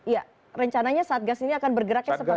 ya rencananya satgas ini akan bergeraknya seperti apa